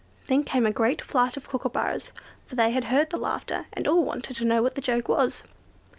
Then came a great flight of kookooburras, for they had heard the laughter, and all wanted to know what the joke was.